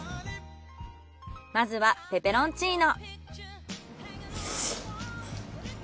まずはペペロンチーノ。